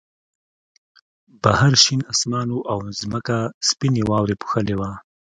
بهر شین آسمان و او ځمکه سپینې واورې پوښلې وه